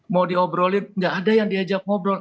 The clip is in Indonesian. mau diobrolin nggak ada yang diajak ngobrol